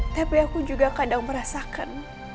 tapi aku juga kadang merasakan